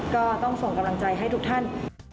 ก็ต้องส่งกำลังใจให้ทุกท่าน